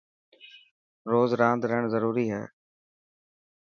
روز راند رهڻ ضروري هي.